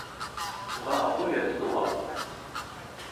符合好多元素喔